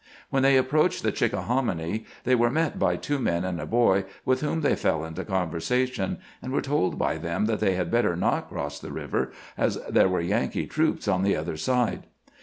When they approached the Chickahominy they were met by two men and a boy, with whom they feU into conversation, and were told by them that they had better not cross the river, as there were Yankee troops on the other side.